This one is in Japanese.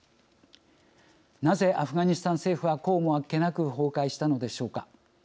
なぜ、アフガニスタン政府はこうもあっけなく崩壊したのでしょうか。